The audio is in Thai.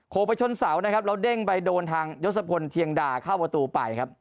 ไปชนเสานะครับแล้วเด้งไปโดนทางยศพลเทียนด่าเข้าประตูไปครับ